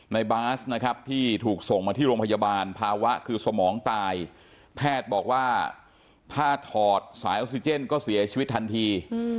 บาสนะครับที่ถูกส่งมาที่โรงพยาบาลภาวะคือสมองตายแพทย์บอกว่าผ้าถอดสายออกซิเจนก็เสียชีวิตทันที